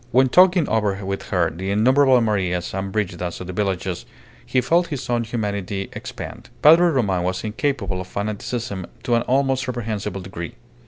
When talking over with her the innumerable Marias and Brigidas of the villages, he felt his own humanity expand. Padre Roman was incapable of fanaticism to an almost reprehensible degree.